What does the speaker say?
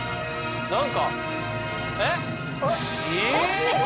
何かえっ？え！